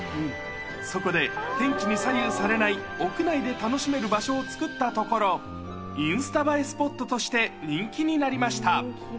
そこで、天気に左右されない屋内で楽しめる場所を作ったところ、インスタ映えスポットとして人気になりました。